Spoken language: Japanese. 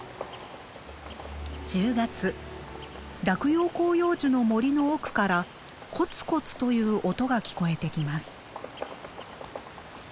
落葉広葉樹の森の奥からコツコツという音が聞こえてきます。